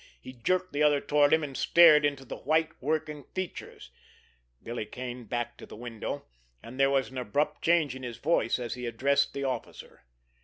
He jerked the other toward him, and stared into the white, working features. Billy Kane backed to the window, and there was an abrupt change in his voice as he addressed the officer.